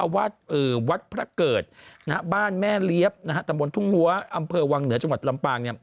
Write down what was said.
วัดพระเกิดบ้านแม่เลี้ยบตำบลทุ่งหัวอำเภอวังเหนือจังหวัดลำปาง